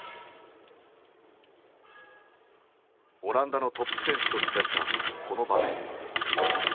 オランダのトップ選手と滑ったこの場面。